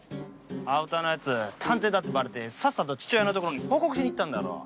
青田の奴探偵だってバレてさっさと父親のところに報告しに行ったんだろう。